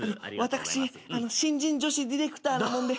私新人女子ディレクターなもんで。